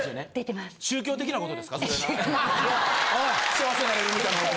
幸せになれるみたいなこと。